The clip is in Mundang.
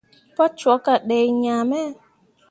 Pa cwakke a dai ŋaa me.